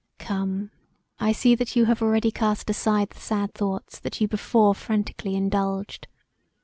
] "Come, I see that you have already cast aside the sad thoughts you before franticly indulged.